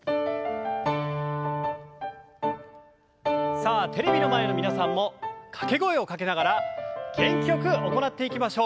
さあテレビの前の皆さんも掛け声をかけながら元気よく行っていきましょう。